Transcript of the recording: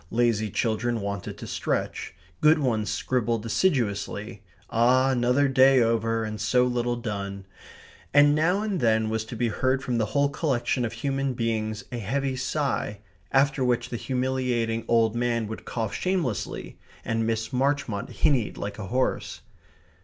Lazy children wanted to stretch. Good ones scribbled assiduously ah, another day over and so little done! And now and then was to be heard from the whole collection of human beings a heavy sigh, after which the humiliating old man would cough shamelessly, and Miss Marchmont hinnied like a horse.